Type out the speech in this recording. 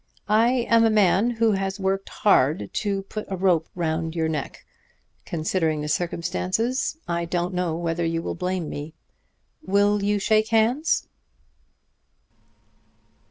"I am a man who has worked hard to put a rope round your neck. Considering the circumstances I don't know whether you will blame me. Will you shake hands?"